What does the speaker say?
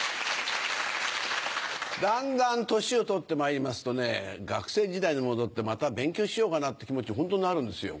だんだん年を取ってまいりますと学生時代に戻ってまた勉強しようかなって気持ちにホントなるんですよ。